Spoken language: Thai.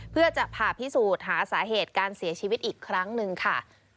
เพื่อจะผ่าพิสูจน์หาสาเหตุการเสียชีวิตอีกครั้งหนึ่งค่ะ